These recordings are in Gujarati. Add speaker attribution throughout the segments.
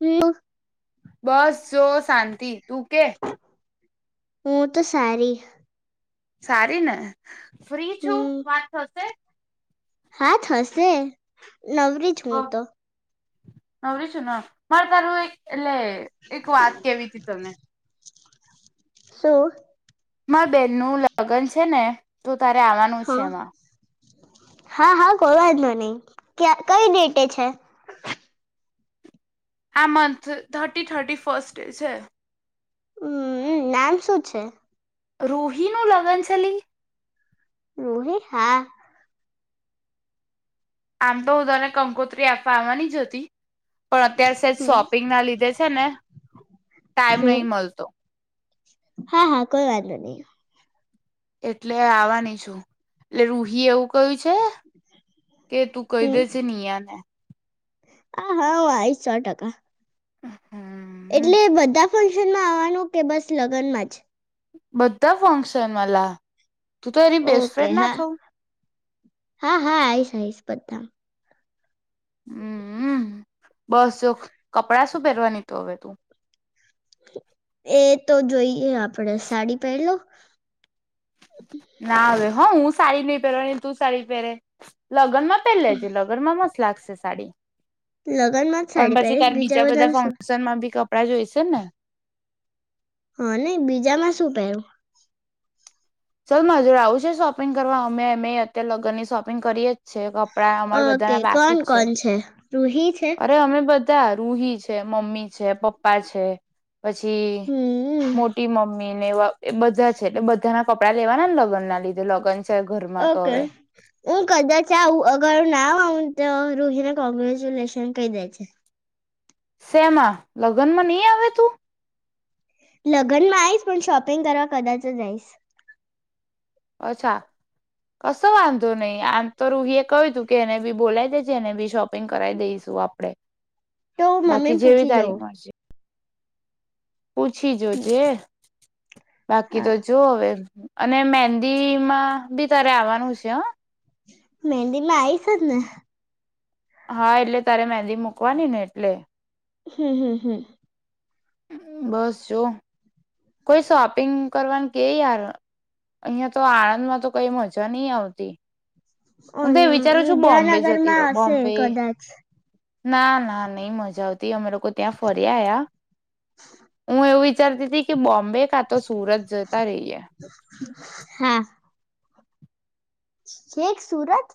Speaker 1: હમ્મ.
Speaker 2: બસ જો શાંતિ, તું કે?
Speaker 1: હું તો સારી.
Speaker 2: સારી ને. ફ્રી છું
Speaker 1: હમ
Speaker 2: વાત થશે.
Speaker 1: હા થશે. નવરી જ હુ તો.
Speaker 2: નવરીશું ન મારે તારું એક એટલે એક વાત કેવી તી તમને.
Speaker 1: શું?
Speaker 2: બેન નું લગન છે ને તો તારે આવાનું છે
Speaker 1: હા
Speaker 2: એમાં.
Speaker 1: હા હા કોઈ વાંધો નહી, ક્યાં કઈ ડેટે છે?
Speaker 2: આ મંથ થર્ટી થર્ટી ફર્સ્ટ એ છે.
Speaker 1: હમ્મ નામ શું છે?
Speaker 2: રુહીનું લગ્ન ચલી.
Speaker 1: રુહી હા.
Speaker 2: આમ તો હું તને કંકોત્રી આપવા આવવાની જ હતી. પણ અત્યાર સેને
Speaker 1: હમ
Speaker 2: શોપિંગ ના લીધે છે ન ટાઈમ
Speaker 1: હમ
Speaker 2: નહી મળતો.
Speaker 1: હા હા કોઈ વાંધો નહી
Speaker 2: એટલે આવાની છું એટલે રૂહી એવું કયું છે કે તું કહી દે
Speaker 1: હમ
Speaker 2: છે નિયા ને.
Speaker 1: હા હા આઈ સો ટકા.
Speaker 2: હમ્મ.
Speaker 1: એટલે બધા ફંક્શનમાં આવવાનું કે બસ લગ્નમાં જ.
Speaker 2: બધા ફંક્શન મલા. ત તો એની
Speaker 1: ઓકે
Speaker 2: બેસ્ટફ્રેન્ડ ના
Speaker 1: હા
Speaker 2: છો.
Speaker 1: હા હા આયીસ આયીસ બધા.
Speaker 2: હમ્મ બસ જો કપડા શું પહેરવાની તો હવે તું.
Speaker 1: એ તો જોઈએ આપણેે સાડી પહેરલો.
Speaker 2: ના હવે. હા હું સાડી નઈ પહેરવા તું સાડી પહેરે લગ્નમાં. પેલેજ લગરમાં મસ્. ફ્લાકસ સે સાડી.
Speaker 1: લગ્નમાં જ
Speaker 2: પણ
Speaker 1: સાડી પેલીસ બીજા બધાનુ શું.
Speaker 2: રા જોયસે ને.
Speaker 1: હાને બીજામાં શું પહેરું.
Speaker 2: ચાલ મજુર આવું છે શોપિંગ કરવા અમે અમે અત્યારે લગ્ન ની શોપિંગ કરીએ જ છે. કપડાં અમારા
Speaker 1: ઓકે
Speaker 2: બધાના બાકી
Speaker 1: કોણ
Speaker 2: જ છે
Speaker 1: કોણ છ? રૂહી છે.
Speaker 2: અરે અમે રૂહી છે, મમ્મી છે, પપ્પા છે પછી
Speaker 1: હમ
Speaker 2: મોટી મમ્મી અનેવા એ બધા છે એટલે બધાના કપડા લેવાના લગન ના લીધું લગન
Speaker 1: ઓકે હું કદાચ આવું અગર ના આવ તો રોહિને કોંગ્રેચ્યુલેશન કહી દે છે
Speaker 2: શેમા લગ્નમાં નહી આવે તું
Speaker 1: લગ્નમાં આવીસ પણ શોપિંગ કરવા કદાચ જ આવીઈસ
Speaker 2: અચ્છા કશો વાંધો નહી આમ તો રૂહી એ કહ્યું તું કે એને બી બોલાય દે છે એને બી શોપ કરાવી દઈશું આપડે
Speaker 1: તો
Speaker 2: બાકી
Speaker 1: મમ્મીને
Speaker 2: જેવી
Speaker 1: પૂછી
Speaker 2: તારી
Speaker 1: જવું
Speaker 2: મળશે પૂછી જો જે બાકી તો
Speaker 1: હા
Speaker 2: જુ હવે અને મેન્દી માં બી તારે આવવાનું છે હ
Speaker 1: મેંદી માં આઈશ જ ને
Speaker 2: હા એટલે તારે મેંદી મુૂકવાની ને એટલે
Speaker 1: હમ હમ હમ
Speaker 2: બસ જો કોઈ શોપિંગ કરવાનું કે યાર અહિયાં તો આણંદ માં તો કઈ મજા નહી આવતી
Speaker 1: ઓ
Speaker 2: હું તો એ વિચારું છું બોમ્બે
Speaker 1: વિદ્યાનગર
Speaker 2: જતી
Speaker 1: માં
Speaker 2: રહું
Speaker 1: હશે
Speaker 2: બોમ્બે
Speaker 1: કદાચ
Speaker 2: ના ના નહી મજા આવતી અમે લોકો ત્યાં ફર્યાયા હું એવુ વિ ચારતી હતી કે બો મ્બે કા તો સુરત જતા રહીએ
Speaker 1: હા છેક સુરત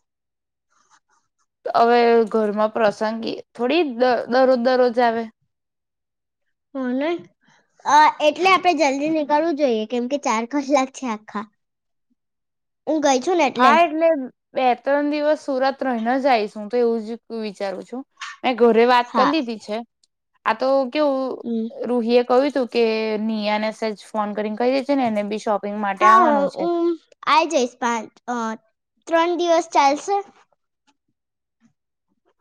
Speaker 2: હવે ઘરમાં પ્રસંગી થોડી દરોજ દરરોજ આવે
Speaker 1: હ નહી એટલે આપણેે જલ્દી નીકળવું જોઈએ કેમ કે ચાર કલાક છે આખા હું ગઈ છું ને એટલે
Speaker 2: બે ત્રણ દિવસ સુરત રહીને જાયશું તો એવું જ વિચારું છું મેં ઘરે વાત
Speaker 1: હા
Speaker 2: કરી લીધી છે આ તો કેવુ
Speaker 1: હમ
Speaker 2: રૂહીએ કહ્યું તું કે નિ એને સેજ ફોન કરી કઈ રે છે ને એને બી શોપિંગ માટે
Speaker 1: હા
Speaker 2: આવવાનું છે.
Speaker 1: હું આઈ જઈશ પાંચ અ ત્રણ દિવસ ચાલશે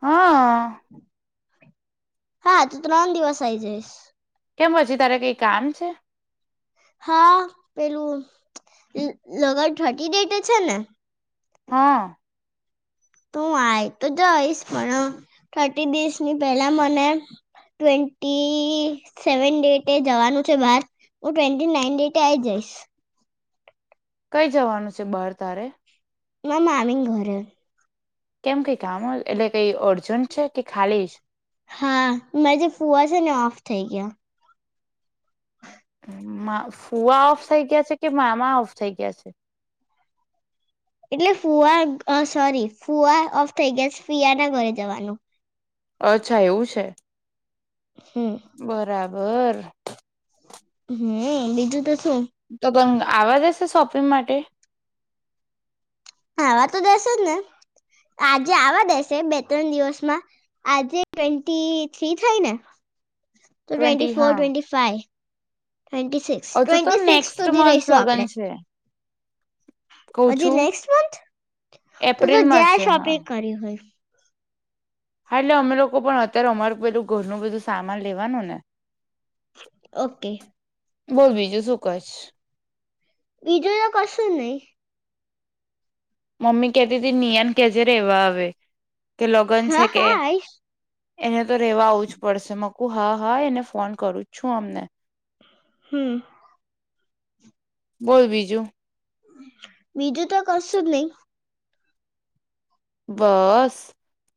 Speaker 2: હા
Speaker 1: હા તો ત્રણ દિવસ આ આવી જઈશ
Speaker 2: કેમ હછી તારે કઈ કામ છે
Speaker 1: હા પેલું લગન થર્ટી ડેટ છે ને
Speaker 2: હા
Speaker 1: તું આય તો જઈશ પણ થર્ટી દસની પેલા મને ટ્વેન્ટી સેવન ડેટે જવાનું છે બહાર હું ટ્વેન્ટી નાઈન ડેટે આઈ જઈશ.
Speaker 2: કઈ જવાનું છે બાહર તારે
Speaker 1: મારા મામીને ઘરે
Speaker 2: કેમ કઈ કામ એટલે કઈ અર્જન્ટ છે કે ખાલીજ
Speaker 1: હા મેં જે ફુવા છે ને ઓફ થઈ ગયા
Speaker 2: મા ફુઆ ઓફ થઈ ગયા છે કે મામા ઓફ થઈ ગયા છે.
Speaker 1: એટલે ફુવા સોરી ફુવા ઓફ થઈ ગયા ફીયા ના ઘરે જવાનું
Speaker 2: અચ્છા એવું છે
Speaker 1: હમ
Speaker 2: બરાબર ઘર
Speaker 1: હમ બીજું તો શું
Speaker 2: તદંગ- આવવા દેશે શોપિંગ માટે
Speaker 1: આવા તો દેસે જ ને આજે આવા દેસે બે ત્રણ દિવસમાં આજે ટવેન્ટી થ્રી થાઇ ને તો ટ્વેન્ટટી
Speaker 2: ટ્વેન્ટી
Speaker 1: ફોર
Speaker 2: હા
Speaker 1: ટ્વેન્ટી ફાઈવ ટ્વેન્ટી સિક્સ
Speaker 2: હજુ તો
Speaker 1: ટ્વેન્ટી સિક્સ
Speaker 2: નેક્સ્ટ
Speaker 1: સુધી
Speaker 2: મંથ
Speaker 1: રહીશું
Speaker 2: લગ્ન
Speaker 1: આપડે
Speaker 2: છે કઉ
Speaker 1: હજી
Speaker 2: છું
Speaker 1: નેક્સ્ટ મંથ તો
Speaker 2: એપ્રિલમાં
Speaker 1: જ્યાં
Speaker 2: છે હા
Speaker 1: શોપિંગ કરી હોય
Speaker 2: એટલે અમે લોકો પણ અત્યારે અમારું પેલું ઘરનું બધું સામાન લેવાનું ને
Speaker 1: ઓકે.
Speaker 2: બોલ બીજું શું કશ
Speaker 1: બીજુ તો કશું નહી
Speaker 2: મમ્મી કતી હતી નિયાને કેજે ર રહેવા આવે કે લગન
Speaker 1: હા
Speaker 2: છે કે
Speaker 1: હા આવીશ
Speaker 2: એને તો રેવા આવું જ પડશે મકું હા હા એને ફોન કરું જ છું અમને
Speaker 1: હમ
Speaker 2: બોલ બીજું
Speaker 1: બીજું તો કશુ જ નહી
Speaker 2: બસ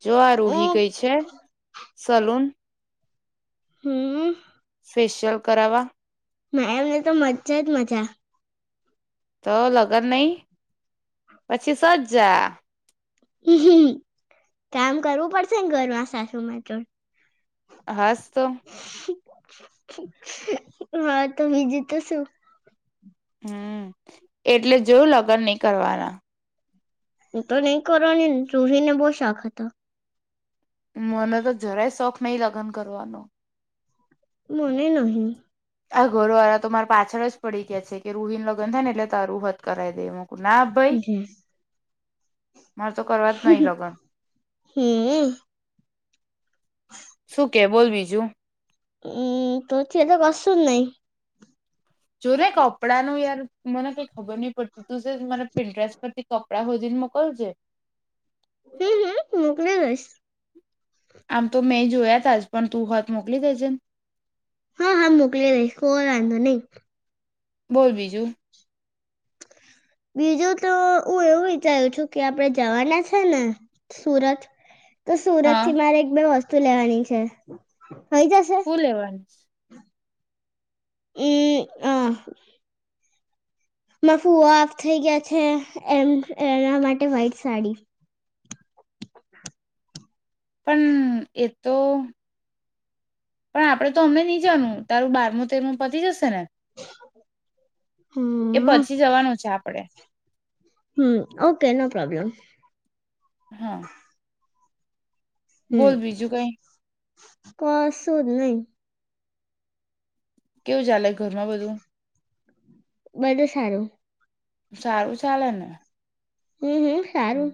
Speaker 2: જો આ રૂહી
Speaker 1: હું
Speaker 2: ગઈ છે. સલૂન
Speaker 1: હમ
Speaker 2: ફેશિયલ કરાવા
Speaker 1: ના એમને તો મજ્જા જ મજા હ
Speaker 2: તો લગન નઈ પછી સજ જા
Speaker 1: હમ કામ કરવું પડશે ને ઘરમાં સાસું નુ તો
Speaker 2: હહાસ તો
Speaker 1: હા તો બીજું તો શું
Speaker 2: હમ એટલે જોયું લગ્ન નહી કરવાના
Speaker 1: હું તો નહી કરવાની રૂહી ને બહુ શોખ હતો
Speaker 2: મને તો જરાય શોખ નહીિ લગ્ન કરવાનો
Speaker 1: મને નહી
Speaker 2: આ ઘરોવાળા તો મારે પાછળ જ પડી ગયા છે કે રુહીનું લગન થાય ને એટલે તારું હોત કરાવી દેવાનું ના ભાઈ મારે તો કરવા જ નહીિ લગન
Speaker 1: હમ
Speaker 2: શું કે બોલ બીજું
Speaker 1: હમ તોછ તો બસું નહી
Speaker 2: જો ને કપડાં નું યાર મને કઈ ખબર નહી પડતી તું પ્લીઝ મને પ્રિન્ટ્રસ પરથી કપડા હોધી ને મોકલજે
Speaker 1: હમ હમ મોકલી દઇશ
Speaker 2: આમ તો મેં જોયા તા જ પણ તું હોત મોકલી દેજે
Speaker 1: હા હા મોકલી રઈશ કોઈ વાંધો નહીિ
Speaker 2: બોલ બીજું
Speaker 1: બીજું તો હું એવું વિચારું છું કે આપડે જવાના છે ને સુરત તો સુરત
Speaker 2: હા
Speaker 1: થી મારે એક બે વસ્તુ વતુ લેવાની છે થઈ જશે
Speaker 2: શું લેવાનું છે
Speaker 1: એ અહ મા ફૂઓ ઓફ થઇ ગયા છે એમ એના માટે વ્હાઈટ સાડી
Speaker 2: પણ એ તો પણ આપડે તો અમને નહી જાનું તારું બારમું તેરમું પતી જશે ને એ
Speaker 1: હમ
Speaker 2: પછી જવાનું છે આપડે
Speaker 1: હમ ઓકે નો પ્રોબ્લેમ
Speaker 2: હા
Speaker 1: હમ
Speaker 2: બોલ બીજું કઈ
Speaker 1: કશું જ નહી
Speaker 2: કેવું ચાલે ઘરમાં બધું
Speaker 1: બધું સારું
Speaker 2: સારું ચાલે ને
Speaker 1: હમ હમ સારું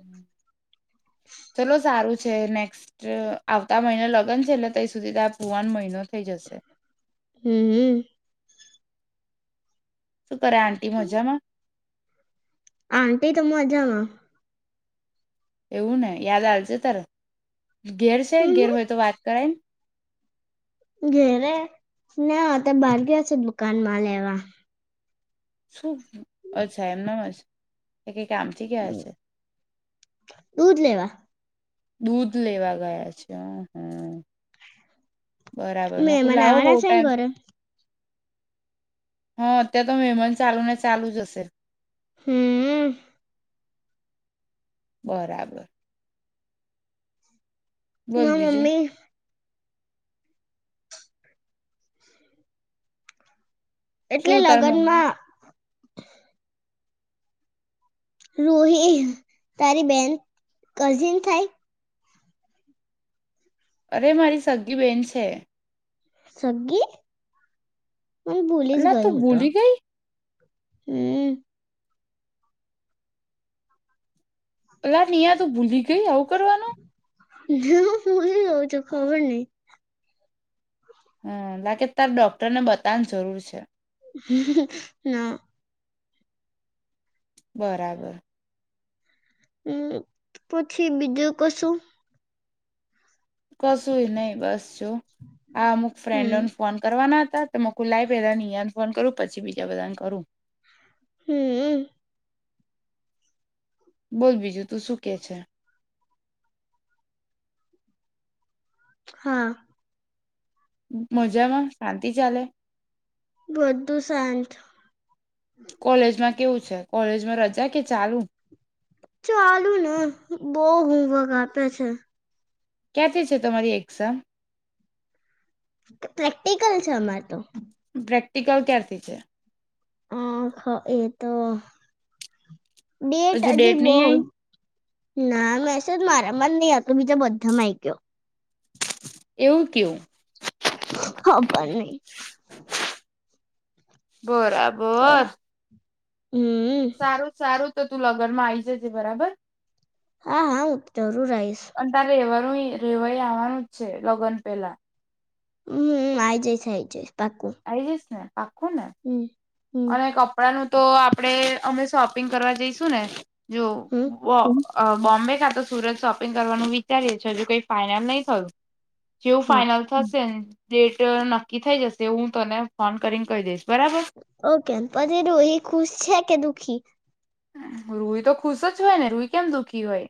Speaker 2: ચલો સારું છે નેક્સ્ટ આવતા મહિને લગન છે ને ત્યાં સુધી તતારા ફુઆ ને મહિનો થઈ જશે
Speaker 1: હમ હ
Speaker 2: શું કરે આંટી મજામાં
Speaker 1: આટીી તો મજામાં
Speaker 2: એવું ન યાદ આલ છે ત્યારે ઘેર છે ઘેર
Speaker 1: હમ
Speaker 2: હોય તો વાત કરાય
Speaker 1: ઘેરે ના ત બહાર ગયા છે દુકાનમાં લેવા
Speaker 2: શું અચ્છા એમનામ જ કામથી ગયા છે.
Speaker 1: દૂધ લેવા
Speaker 2: દૂધ લેવા ગયા છે હ હમ બરાબર મકુ
Speaker 1: મહેમાન
Speaker 2: લાવો
Speaker 1: આવવાના
Speaker 2: બહુ
Speaker 1: છે ને ઘરે
Speaker 2: ટાઈમથી હાત તો મેહેમાન ચાલુ ના ચાલુ જ હશેલ
Speaker 1: હમ
Speaker 2: બરાબર
Speaker 1: હ
Speaker 2: બોલ બીજું
Speaker 1: મમ્મી
Speaker 2: શું
Speaker 1: એટલે
Speaker 2: તાર મમ્મી
Speaker 1: લગ્નમાં [inaudible] રૂહી તારી બેન કઝિન થાય.
Speaker 2: અરે મારી સગી બેન છે.
Speaker 1: સંગી
Speaker 2: અલા તું ભૂલી ગઈ
Speaker 1: હમ
Speaker 2: અ લા નીયા તું ભૂલી ગઈ આવું કરવાનું
Speaker 1: હ ભૂલી ગઉં છ ખબર નહી
Speaker 2: હમ લાગે તાર ડોક્ટરને બતાવવાની જરૂર છે.
Speaker 1: હ હ ના
Speaker 2: બરાબર
Speaker 1: હમ પછી બીજું કશું
Speaker 2: કશું નહી બસ જો આ અમુક
Speaker 1: હમ
Speaker 2: ફ્રેન્ડને ફોન કરવાના તો મ કુ લાવ પેલા નિયા ને ફોન કરું પછી બી બીજા બધા ને કરું
Speaker 1: હમ
Speaker 2: બોલ બીજું તું શું કે છે.
Speaker 1: હા
Speaker 2: મજામાં શાંત તે ચાલે
Speaker 1: વધધું શાંત
Speaker 2: કોલેજમાં કેવું છે કોલેજમાં રજા કે ચાલુ
Speaker 1: ચાલુ ને બહુ હોવક આપે છે.
Speaker 2: ક્યાંથી છે તમારી એક્ઝામ
Speaker 1: પ્રેક્ટિકલ છે અમારે તો
Speaker 2: પ્રેક્ટિકલ ક્યારથી છે.
Speaker 1: હા એ તો ડેટ
Speaker 2: હજુ
Speaker 1: આજી
Speaker 2: નહી
Speaker 1: બહુજ
Speaker 2: આઈ
Speaker 1: ના મેસેજ મારામાર નહી હતો. બીજાબંધા મા આઈ ગયો
Speaker 2: એવું કેવું?
Speaker 1: હા ભ નહી [inaudible]
Speaker 2: બરાબર!
Speaker 1: હમ
Speaker 2: સારું સારું! તો તું લગનમાં આવી જજે બરાબર.
Speaker 1: હા હા તો
Speaker 2: અન્ટારે એવા રેવાઈ આવવાનું જ છે. લગ્ન પેલા!
Speaker 1: હમ આ જય [unintelligible] આય જ
Speaker 2: આઇ જઈસ ને? આખોને?
Speaker 1: હમ
Speaker 2: અને કપડાનું તો આપણેે, અમે શોપિંગ કરવા જઈશું ને જો
Speaker 1: હમ
Speaker 2: વ અ બોમ્બે કાતો સુરત શોપિંગ કરવાનું વિચારીએ છી. હજુ કઈ ફાઈનલ નહી થયું. જેવુ
Speaker 1: હમ
Speaker 2: ફાઈનલ થશેને ડેટ નક્કી થઈ જશે. હું તને ફોન કરીને કહી દઈશ. બરાબર!
Speaker 1: ઓકે પછી રુઈ એ ખુશ છે કે દુઃખી
Speaker 2: રૂઈ તો ખુશ જ હોય ને. રૂઈ કેમ દુઃખી? હોય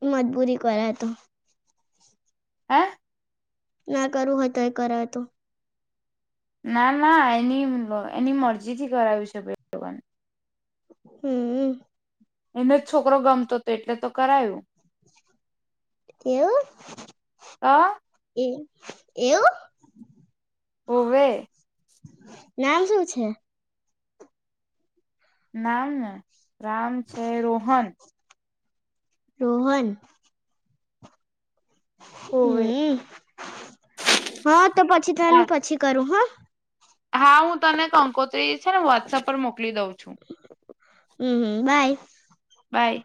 Speaker 1: હમ [inaudible] મજબૂરી કરા તો
Speaker 2: હે?
Speaker 1: ના કરું હોય તો એ કરાવ તો.
Speaker 2: ના ના એની એની મરજીથી કરાવી છે. બેને
Speaker 1: હમમમ!
Speaker 2: એને જ છોકરો ગમતો હતો. એટલે તો કરાયું.
Speaker 1: [unintelligible] કેવું
Speaker 2: તો
Speaker 1: [unintelligible] એ એવું?
Speaker 2: હોવે.
Speaker 1: નામ શું છે?
Speaker 2: નામને. નામ છે રોહન.
Speaker 1: રોહન!
Speaker 2: હોવે
Speaker 1: હમ હા તો પછી
Speaker 2: હા
Speaker 1: તને પછી કરું હં
Speaker 2: હા હું તને કંકોત્રી છે ને વોટ્સએપ પર મોકલુ મોકલી દઉં છું.
Speaker 1: હમ હમ બાય!
Speaker 2: બાય!